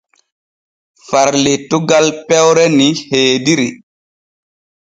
Far lettugal peyre ni heediri.